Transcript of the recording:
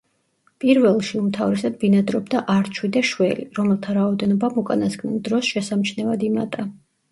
პირველში უმთავრესად ბინადრობდა არჩვი და შველი, რომელთა რაოდენობამ უკანასკნელ დროს შესამჩნევად იმატა.